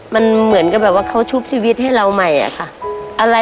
มันเหมือนกับแบบว่าเขาชุบชีวิตให้เราใหม่อะค่ะ